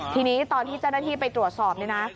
ทีนี้ตอนที่เจ้าหน้าที่ไปตรวจสอบเนี่ยนะ